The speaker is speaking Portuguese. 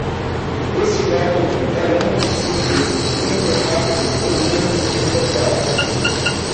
Este método é muito simples, muito rápido e muito confortável.